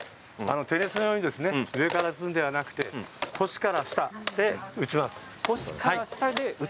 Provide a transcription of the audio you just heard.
テニスのように上から打つのではなくて腰から下で打ちます。